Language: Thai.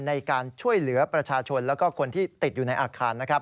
ในการช่วยเหลือประชาชนแล้วก็คนที่ติดอยู่ในอาคารนะครับ